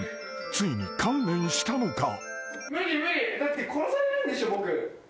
ついに観念したのか］